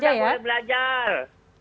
anak anak udah boleh belajar